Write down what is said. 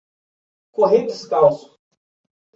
Correr descalço